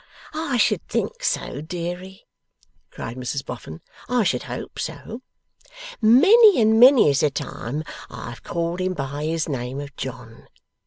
I should think so, deary!' cried Mrs Boffin. 'I should hope so! Many and many is the time I have called him by his name of John.